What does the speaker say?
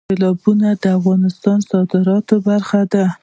سیلابونه د افغانستان د صادراتو برخه ده.